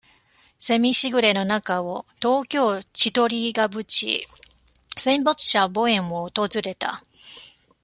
セミしぐれの中を、東京、千鳥ケ淵、戦没者墓苑を訪れた。